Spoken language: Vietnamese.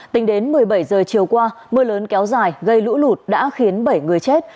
tính đến một mươi bảy giờ chiều qua mưa lớn kéo dài gây lũ lụt đã khiến bảy người chết